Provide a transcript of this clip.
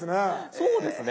そうですね。